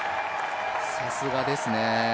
さすがですね。